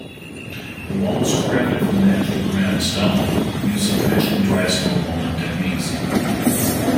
The wall was crafted from natural granite stone using traditional dry stone walling techniques.